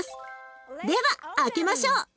では開けましょう！